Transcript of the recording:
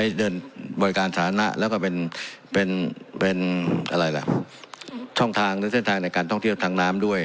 ในเดินบริการสถานะแล้วก็เป็นช่องทางและเส้นทางในการท่องเที่ยวทางน้ำด้วย